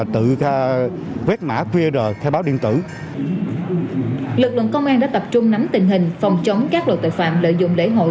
lực lượng công an đã tập trung nắm tình hình phòng chống các loại tội phạm lợi dụng lễ hội